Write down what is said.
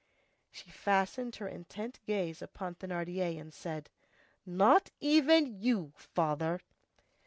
She fastened her intent gaze upon Thénardier and said:— "Not even of you, father!"